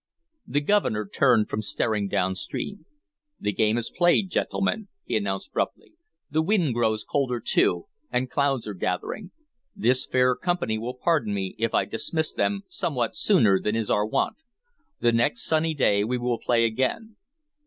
The Governor turned from staring downstream. "The game is played, gentlemen," he announced abruptly. "The wind grows colder, too, and clouds are gathering. This fair company will pardon me if I dismiss them somewhat sooner than is our wont. The next sunny day we will play again.